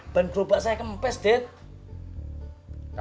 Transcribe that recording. ban kerobak saya ke mpes dad